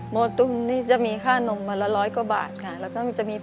โมตุ้นนี่จะมีค่านมวันละร้อยกว่าบาทค่ะ